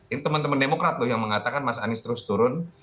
ini teman teman demokrat loh yang mengatakan mas anies terus turun